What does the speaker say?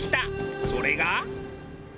それが。